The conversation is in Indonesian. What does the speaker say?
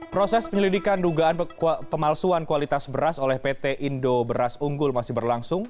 proses penyelidikan dugaan pemalsuan kualitas beras oleh pt indo beras unggul masih berlangsung